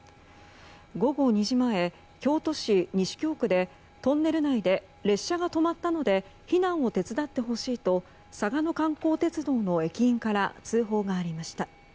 午後２時前、京都市西京区でトンネル内で列車が止まったので避難を手伝ってほしいと嵯峨野観光鉄道の駅員から通報がありました。